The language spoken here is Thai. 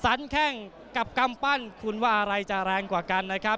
แข้งกับกำปั้นคุณว่าอะไรจะแรงกว่ากันนะครับ